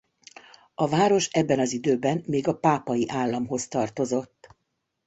A város ebben az időben még a Pápai államhoz tartozott.